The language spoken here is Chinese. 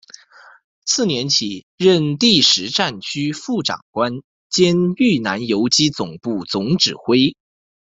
次年起任第十战区副长官兼豫南游击总部总指挥。